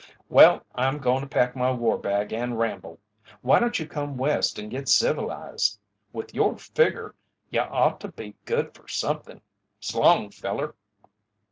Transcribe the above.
"Well I'm goin' to pack my war bag and ramble. Why don't you come West and git civilized? With your figger you ought to be good fer somethin'. S'long, feller!"